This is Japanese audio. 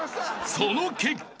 ［その結果］